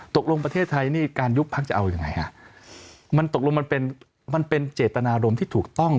ตกลงประเทศไทยนี่การยุบพักจะเอาอย่างไรครับมันตกลงมันเป็นเจตนารมณ์ที่ถูกต้อง